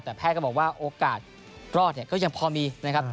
แต่แพทย์ก็บอกว่าโอกาสรอดเนี่ยก็ยังพอมีนะครับ